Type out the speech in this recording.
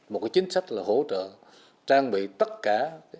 một cái chính sách là hỗ trợ trang bị tất cả